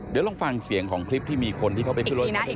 เดี๋ยวลองฟังเสียงของคลิปที่มีคนที่เขาไปขึ้นรถมาด้วย